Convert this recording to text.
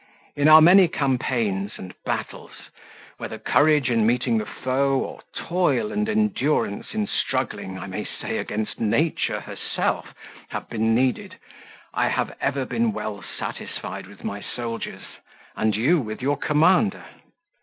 In our many campaigns and battles, whether courage in meeting the foe, or toil and endurance in struggling, I may say, against nature herself, have been needed, I have ever been well satisfied with my soldiers, and you with your commander.